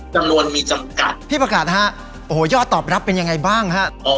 จำนวนมีจำกัดพี่ประกาศฮะโอ้โหยอดตอบรับเป็นยังไงบ้างฮะ